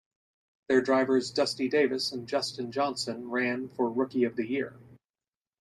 Their drivers Dusty Davis and Justin Johnson ran for Rookie of the Year.